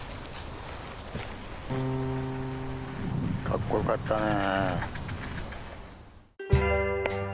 かっこよかったね。